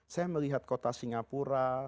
saya melihat kota singapura